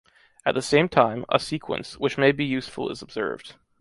At the same time, a sequence, which may be useful is observed.